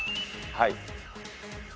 はい。